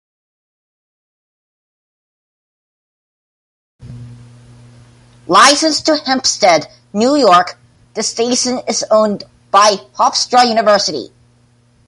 Licensed to Hempstead, New York, the station is owned by Hofstra University.